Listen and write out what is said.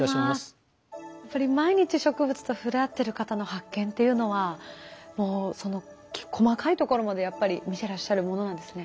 やっぱり毎日植物と触れ合ってる方の発見っていうのはもうその細かいところまでやっぱり見てらっしゃるものなんですね。